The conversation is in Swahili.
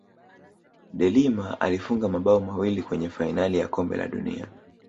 deLima alifunga mabao mawili kwenye fainali ya kombe la dunia